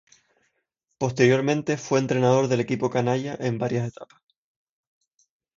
Posteriormente fue entrenador del equipo "canalla" en varias etapas.